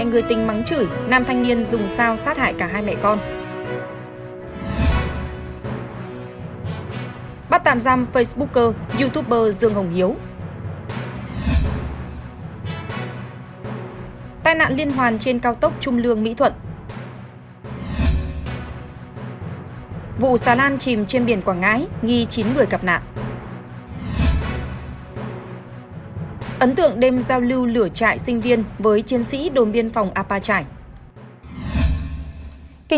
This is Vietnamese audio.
các bạn hãy đăng kí cho kênh lalaschool để không bỏ lỡ những video hấp dẫn